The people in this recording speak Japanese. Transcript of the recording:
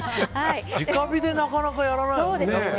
直火でなかなかやらないもんね。